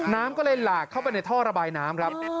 น้ำก็เลยหลากเข้าไปในท่อระบายน้ำครับ